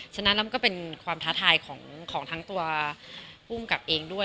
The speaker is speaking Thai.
ฉะนั้นแล้วมันก็เป็นความท้าทายของทั้งตัวภูมิกับเองด้วย